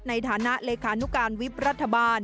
ในฐานะเลขานุการวิบรัฐบาล